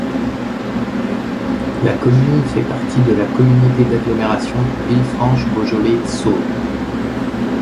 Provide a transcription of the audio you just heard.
La commune fait partie de la communauté d'agglomération Villefranche-Beaujolais-Saône.